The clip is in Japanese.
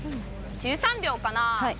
１３秒かな。